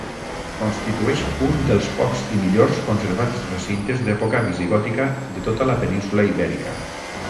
Constitueix un dels pocs i millors conservats recintes d'època visigòtica de tota la península Ibèrica.